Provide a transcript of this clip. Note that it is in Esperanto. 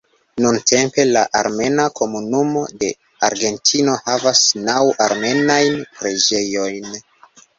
Nuntempe la armena komunumo de Argentino havas naŭ armenajn preĝejojn.